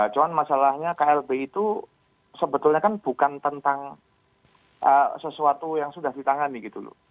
cuma masalahnya klb itu sebetulnya kan bukan tentang sesuatu yang sudah ditangani gitu loh